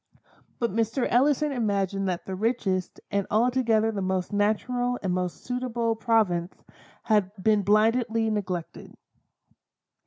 But Mr. Ellison imagined that the richest, and altogether the most natural and most suitable province, had been blindly neglected.